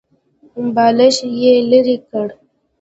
بالښت يې ليرې کړ.